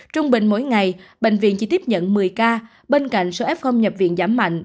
trung bình mỗi ngày bệnh viện chỉ tiếp nhận một mươi ca bên cạnh số f nhập viện giảm mạnh